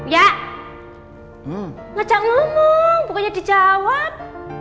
ya ngacak ngomong pokoknya dijawab